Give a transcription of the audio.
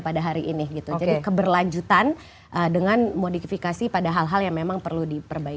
jadi keberlanjutan dengan modifikasi pada hal hal yang memang perlu diperbaiki